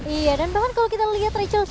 iya dan bahkan kalau kita lihat rachelle